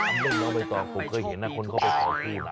ทำเล่นเล่าไปต่อผมเคยเห็นคนเข้าไปพาคุณ